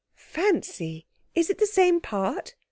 'Fancy! Is it the same part?'